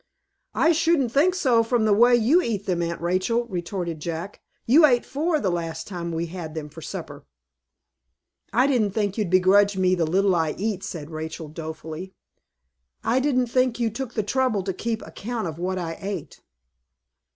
"I shouldn't think so from the way you eat them, Aunt Rachel," retorted Jack. "You ate four the last time we had them for supper." "I didn't think you'd begrudge me the little I eat," said Rachel, dolefully. "I didn't think you took the trouble to keep account of what I ate."